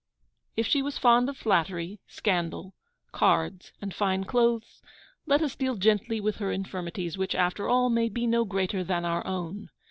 If she was fond of flattery, scandal, cards, and fine clothes, let us deal gently with her infirmities, which, after all, may be no greater than our own.